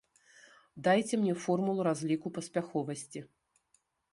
Дайце мне формулу разліку паспяховасці!